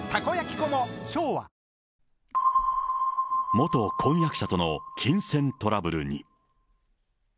元婚約者との金銭トラブルに。